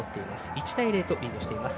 １対０とリードしています。